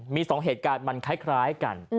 มี๒เหตุการณ์มันคล้ายกัน